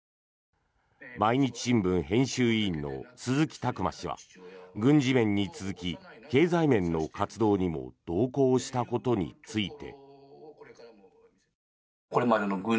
毎日新聞編集委員の鈴木琢磨氏は軍事面に続き、経済面の活動にも同行したことについて。